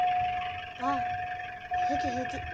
ああ平気平気。